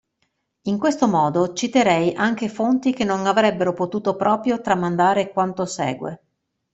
In questo modo, citerei anche fonti che non avrebbero potuto proprio tramandare quanto segue.